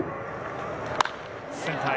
センターへ。